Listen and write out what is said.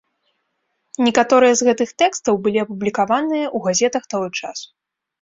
Некаторыя з гэтых тэкстаў былі апублікаваныя ў газетах таго часу.